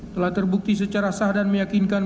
telah terbukti secara sah dan meyakinkan